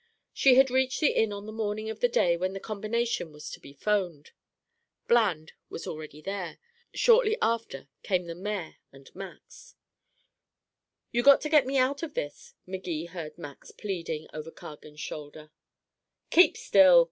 She had reached the inn on the morning of the day when the combination was to be phoned. Bland was already there, shortly after came the mayor and Max. "You got to get me out of this," Magee heard Max pleading over Cargan's shoulder. "Keep still!"